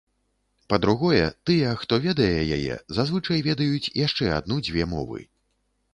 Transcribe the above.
Па-другое, тыя, хто ведае яе, зазвычай ведаюць яшчэ адну-дзве мовы.